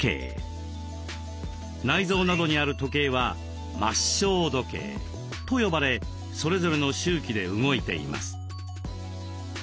内臓などにある時計は「末梢時計」と呼ばれそれぞれの周期で動いています。